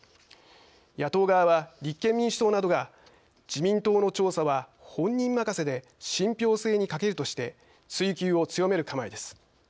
野党側は立憲民主党などが「自民党の調査は本人任せで信ぴょう性に欠ける」として追及を強める構えです。